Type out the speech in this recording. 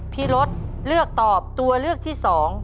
พี่รถเลือกตอบตัวเลือกที่๒